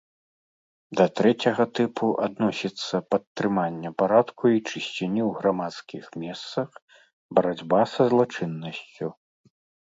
Да трэцяга тыпу адносіцца падтрыманне парадку і чысціні ў грамадскіх месцах, барацьба са злачыннасцю.